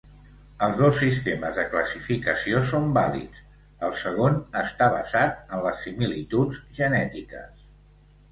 Els dos sistemes de classificació són vàlids, el segon està basat en les similituds genètiques.